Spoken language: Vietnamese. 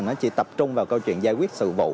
nó chỉ tập trung vào câu chuyện giải quyết sự vụ